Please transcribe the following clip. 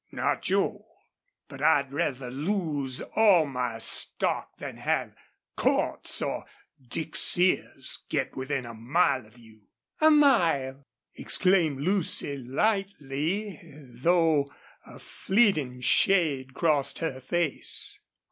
"Not Joel. But I'd rather lose all my stock then have Cordts or Dick Sears get within a mile of you." "A mile!" exclaimed Lucy, lightly, though a fleeting shade crossed her face.